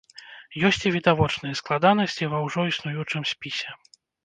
Ёсць і відавочныя складанасці ва ўжо існуючым спісе.